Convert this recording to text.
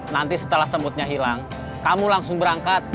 nanti setelah semutnya hilang kamu langsung berangkat